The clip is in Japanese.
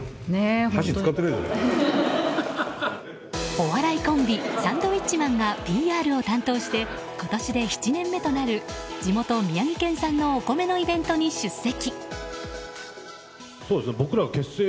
お笑いコンビサンドウィッチマンがＰＲを担当して今年で７年目となる地元・宮城県産のお米のイベントに出席。